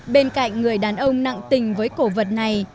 bên cạnh người đàn ông nặng tình với cổ vật này